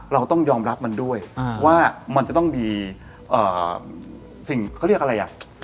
เราต้องยอมรับมันด้วยว่ามันจะต้องมีสิ่งเขาเรียกอะไรอ่ะ